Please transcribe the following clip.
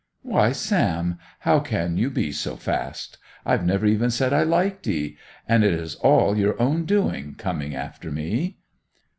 'Why, Sam, how can you be so fast! I've never even said I liked 'ee; and it is all your own doing, coming after me!